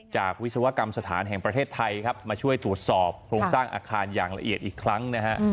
วิศวกรรมสถานแห่งประเทศไทยครับมาช่วยตรวจสอบโครงสร้างอาคารอย่างละเอียดอีกครั้งนะฮะ